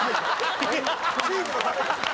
チームのため。